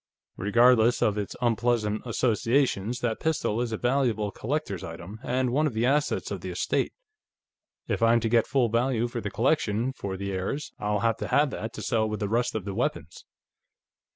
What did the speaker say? Regardless of its unpleasant associations, that pistol is a valuable collector's item, and one of the assets of the estate. If I'm to get full value for the collection, for the heirs, I'll have to have that, to sell with the rest of the weapons."